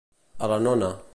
A la nona.